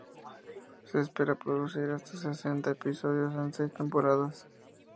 Se espera producir hasta sesenta episodios en seis temporadas.